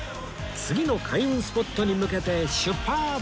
次の開運スポットに向けて出発！